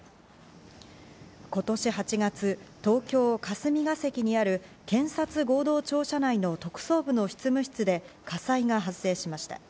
今年８月、東京・霞が関にある検察合同庁舎内の特捜部の執務室で火災が発生しました。